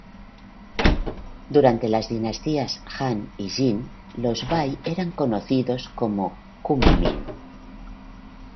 Durante las dinastías Han y Jin, los bai eran conocidos como "kunming".